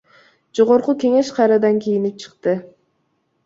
Жогорку Кеңеш кайрадан кийинип чыкты